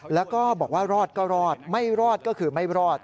แล้วก็บอกว่ารอดก็รอดไม่รอดก็คือไม่รอด